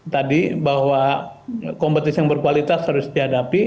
tadi bahwa kompetisi yang berkualitas harus dihadapi